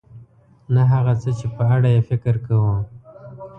نه هغه څه چې په اړه یې فکر کوو .